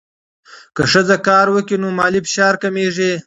که ښځه کار وکړي، نو مالي فشار کمېږي.